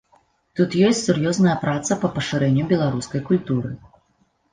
Тут ёсць сур'ёзная праца па пашырэнню беларускай культуры.